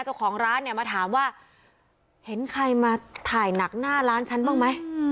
เจ้าของร้านเนี่ยมาถามว่าเห็นใครมาถ่ายหนักหน้าร้านฉันบ้างไหม